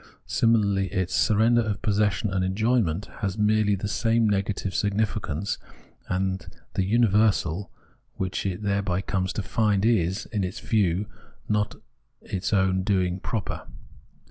Similarly its surrender of possession and en joyment has merely the same negative significance, and the universal which it thereby comes to find is, in its view, not its own doing proper.